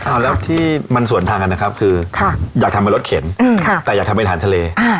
อ้าวแล้วที่มันส่วนทางอันนะครับคืออยากทำอาหารเข็นแต่อยากทำอาหารทะเล